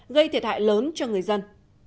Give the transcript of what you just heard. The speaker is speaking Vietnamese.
gây thiệt hại lớn cho người dân